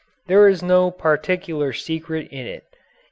There is no particular secret in it.